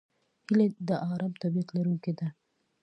هیلۍ د آرام طبیعت لرونکې ده